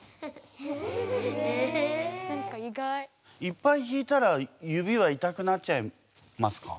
いっぱい弾いたら指は痛くなっちゃいますか？